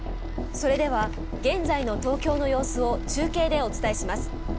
それでは現在の東京の様子を中継でお伝えします。